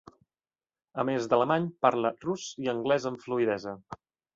A més d'alemany, parla rus i anglès amb fluïdesa.